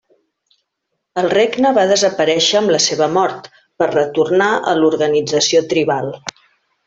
El regne va desaparèixer amb la seva mort per retornar a l'organització tribal.